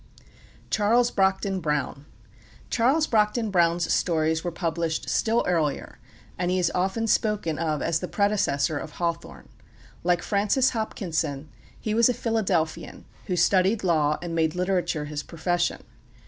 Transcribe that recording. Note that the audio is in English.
CHARLES BROCKDEN BROWN Charles Brockden Brown's stories were published still earlier; and he is often spoken of as the predecessor of Hawthorne. Like Francis Hopkinson, he was a Philadelphian, who studied law and made literature his profession.